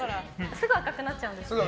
すぐ赤くなっちゃうんです。